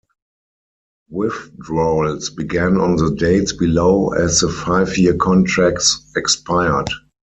Withdrawals began on the dates below as the five-year contracts expired.